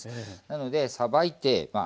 なのでさばいてまあ